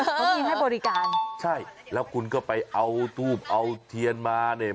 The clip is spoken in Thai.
เขามีให้บริการใช่แล้วคุณก็ไปเอาทูบเอาเทียนมาเนี่ย